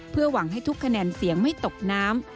เพื่อหวังให้ทุกคะแนนเสียงไม่ตกน้ำ